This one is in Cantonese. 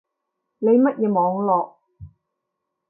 你乜嘢網路